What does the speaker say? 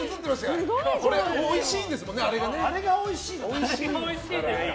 でも、あれがおいしいのよ。